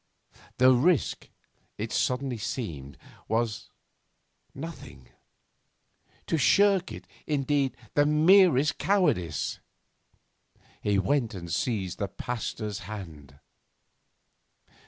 The risk, it suddenly seemed, was nothing; to shirk it, indeed, the merest cowardice. He went up and seized the Pasteur's hand.